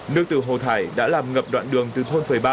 nước từ hồ thải đã làm ngập đoạn đường từ thôn phời ba